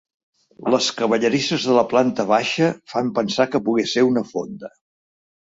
Les cavallerisses de la planta baixa fan pensar que pogué ser una fonda.